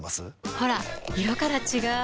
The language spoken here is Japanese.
ほら色から違う！